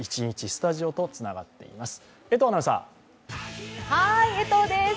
スタジオとつながっています。